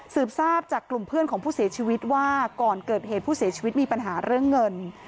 ทราบจากกลุ่มเพื่อนของผู้เสียชีวิตว่าก่อนเกิดเหตุผู้เสียชีวิตมีปัญหาเรื่องเงิน